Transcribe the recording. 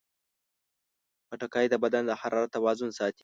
خټکی د بدن د حرارت توازن ساتي.